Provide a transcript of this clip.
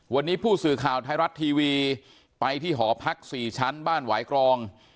วันนี้ผู้สื่อข่าวไทยรัฐทีวีไปที่หอพัก๔ชั้นบ้านหวายกรอง